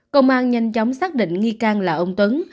công an nhanh chóng xác định nghi can là ông tuấn